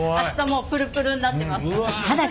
もうプルプルになってますから。